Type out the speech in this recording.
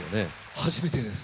初めてです。